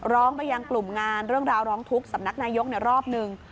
ร้องไปยังกลุ่มงานเรื่องราวร้องทุกข์สำนักนายกรอบหนึ่ง